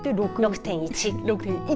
６．１。